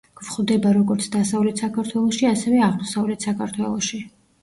გვხვდება როგორ დასავლეთ საქართველოში, ასევე აღმოსავლეთ საქართველოში.